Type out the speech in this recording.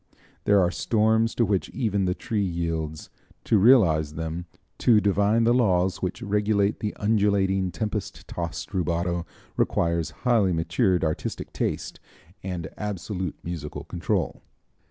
There are storms to which even the tree yields. To realize them, to divine the laws which regulate the undulating, tempest tossed rubato, requires highly matured artistic taste and absolute musical control.